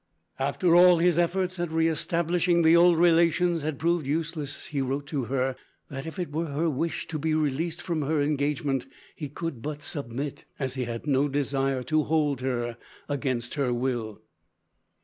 After all his efforts at re establishing the old relations had proved useless, he wrote to her that if it were her wish to be released from her engagement he could but submit, as he had no desire to hold her against her will.